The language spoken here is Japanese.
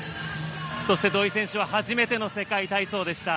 そして土井選手は初めての世界体操でした。